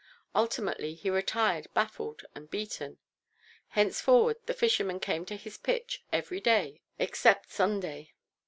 Ultimately he retired baffled and beaten. Henceforward the fisherman came to his pitch every day, except Sunday.